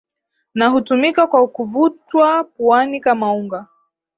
na hutumika kwa kuvutwa puani kama unga